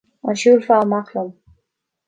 An siúlfá amach liom?